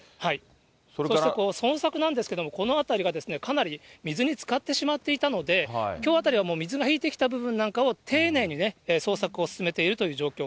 そして捜索なんですけれども、この辺りが、かなり水につかってしまっていたので、きょうあたりはもう、水が引いてきた部分なんかを、丁寧にね、捜索を進めているという状況。